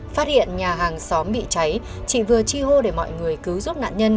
phát hiện nhà hàng xóm bị cháy chị vừa chi hô để mọi người cứu giúp nạn nhân